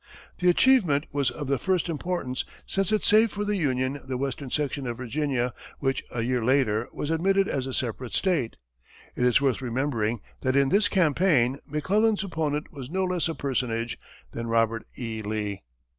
The achievement was of the first importance, since it saved for the Union the western section of Virginia which, a year later, was admitted as a separate state. It is worth remembering that in this campaign, McClellan's opponent was no less a personage than Robert E. Lee.